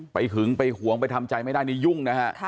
หึงไปหวงไปทำใจไม่ได้นี่ยุ่งนะฮะ